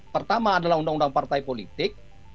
pertama adalah undang undang partai politik